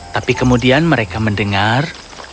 tapi kemudian mereka mendengar